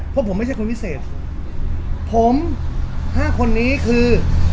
เพราะผมไม่ใช่คนพิเศษผมห้าคนนี้คือ